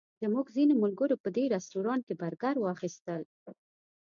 زموږ ځینو ملګرو په دې رسټورانټ کې برګر واخیستل.